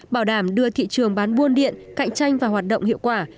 bảo đảm đưa thị trường bán buôn điện cạnh tranh và hoạt động hiệu quả